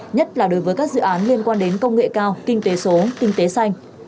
nhất là đối với các dự án liên quan đến công nghệ cao kinh tế số kinh tế xanh